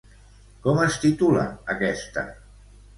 Com es titula aquesta?